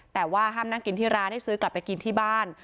แต่ว่าห้ามนั่งกินที่ร้านให้ซื้อกลับไปกินที่บ้าน